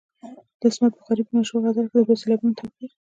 د عصمت بخارايي په مشهور غزل کې د دوو سېلابونو توپیر.